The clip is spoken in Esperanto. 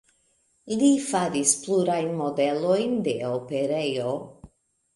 Li faris pluraj modelojn de operejo.